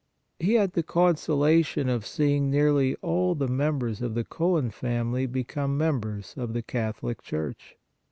He had the consolation of seeing nearly all the members of the Cohen family become members of the Catholic Church.